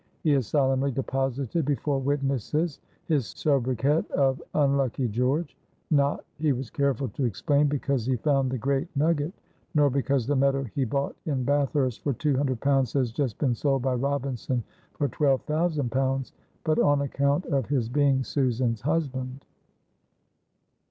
He has solemnly deposited before witnesses his sobriquet of "Unlucky George," not (he was careful to explain) because he found the great nugget, nor because the meadow he bought in Bathurst for two hundred pounds has just been sold by Robinson for twelve thousand pounds, but on account of his being Susan's husband.